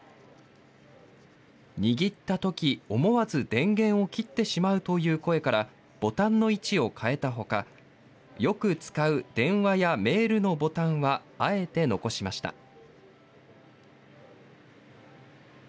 握ったとき、思わず電源を切ってしまうという声から、ボタンの位置を変えたほか、よく使う電話やメールのボタンは、あえて残しました。